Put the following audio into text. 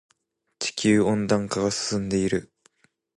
地球温暖化が進んでいる。